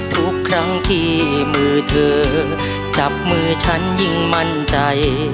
ทุกครั้งที่มือเธอจับมือฉันยิ่งมั่นใจ